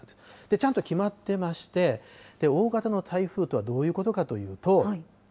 ちゃんと決まってまして、大型の台風とはどういうことかというと。